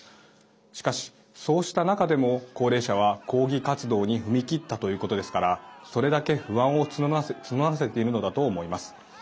しかし、そうした中でも高齢者は抗議活動に踏み切ったということですからそれだけ不安を募らせているのだと思います。